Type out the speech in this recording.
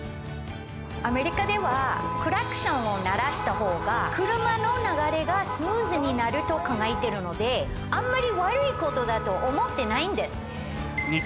アメリカではクラクションを鳴らしたほうが車の流れがスムーズになると考えてるのであんまり。